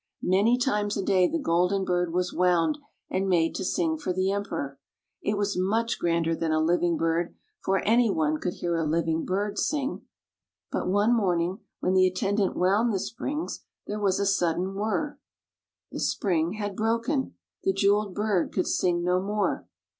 Many times a day the golden bird was wound and made to sing for the Emperor. It was much grander than a living bird, for anyone could hear a living bird sing. But one morning when the attendant wound the springs, there was a sudden whirr. The spring had broken. The jeweled bird could sing no more.